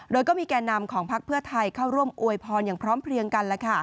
โดยก็มีแก่นำของพักเพื่อไทยเข้าร่วมอวยพรอย่างพร้อมเพลียงกัน